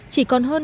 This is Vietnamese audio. chỉ còn hơn